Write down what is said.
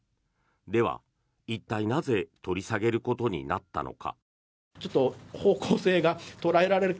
では、一体なぜ取り下げることになったのか。